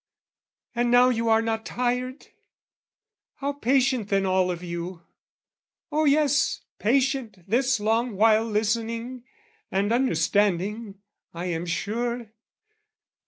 And now you are not tired? How patient then All of you, Oh yes, patient this long while Listening, and understanding, I am sure!